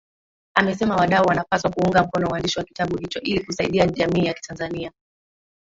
Amesema wadau wanapaswa kuunga mkono uandishi wa kitabu hicho ili kusaidia jamii ya Kitanzania